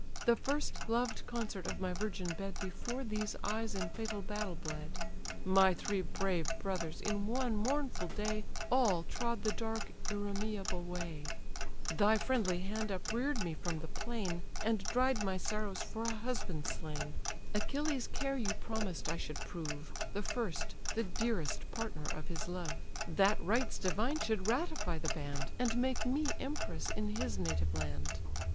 The first loved consort of my virgin bed Before these eyes in fatal battle bled: My three brave brothers in one mournful day All trod the dark, irremeable way: Thy friendly hand uprear'd me from the plain, And dried my sorrows for a husband slain; Achilles' care you promised I should prove, The first, the dearest partner of his love; That rites divine should ratify the band, And make me empress in his native land.